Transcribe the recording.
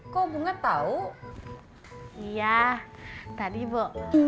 kok bunga tau iya tadi bu